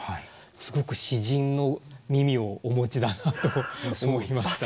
すごく詩人の耳をお持ちだなと思いました。